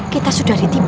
kita sudah ditipu